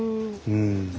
うん。